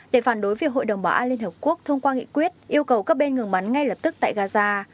để phản đối việc hội đồng bảo an liên hợp quốc thông qua nghị quyết yêu cầu các bên ngừng bắn ngay lập tức tại gaza